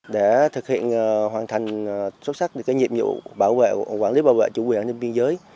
để thực hiện hoàn thành xuất sắc nhiệm vụ quản lý bảo vệ chủ quyền biên giới